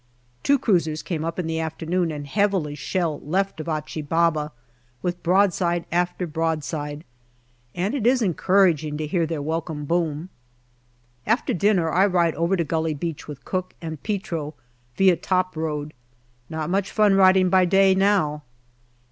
Two cruisers come up in the afternoon and heavily shell left of Achi Baba with broadside after broadside, and it is encouraging to hear their welcome boom. 184 GALLIPOLI DIARY After dinner I ride over to Gully Beach with Cooke and Petro, via top road. Not much fun riding by day now.